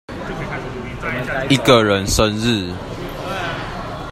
一個人生日